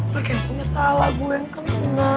mereka kayak punya salah gue yang kena